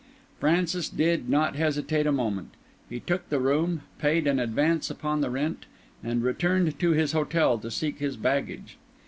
Francis did not hesitate a moment; he took the room, paid an advance upon the rent, and returned to his hotel to seek his baggage.